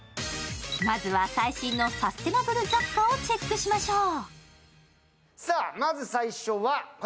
まずは最新のサステナブル雑貨をチェックしましょう。